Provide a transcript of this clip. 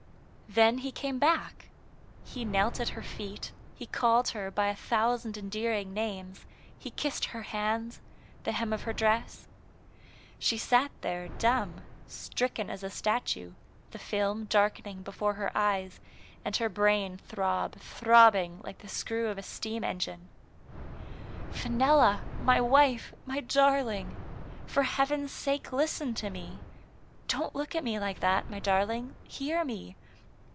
Then he came back. He knelt at her feet, he called her by a thousand endearing names, he kissed her hands, the hem of her dre$s. She sat Digitized by Google ISO THE FATE OF FENELLA. there dumb, stricken as a statue, the film darken ing before her eyes, and her brain throb, throb bing, like the screw of a steam engine. " Fenella, my wife, my darling ! For Heaven's sake, listen to me. Don't look at me like that, my darling, hear me.